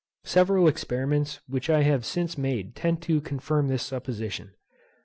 Several experiments which I have since made tend to confirm this supposition.